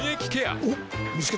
おっ見つけた。